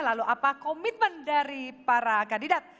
lalu apa komitmen dari para kandidat